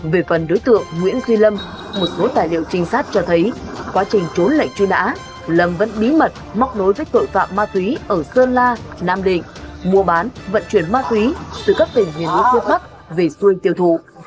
về phần đối tượng nguyễn duy lâm một số tài liệu trinh sát cho thấy quá trình trốn lệnh truy nã lâm vẫn bí mật móc nối với tội phạm ma túy ở sơn la nam định mua bán vận chuyển ma túy từ các tỉnh huyền núi phía bắc về xuôi tiêu thụ